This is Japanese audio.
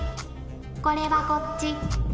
これはこっち。